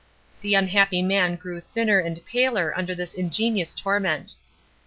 The unhappy man grew thinner and paler under this ingenious torment.